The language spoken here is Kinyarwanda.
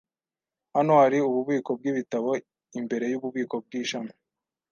Hano hari ububiko bwibitabo imbere yububiko bwishami.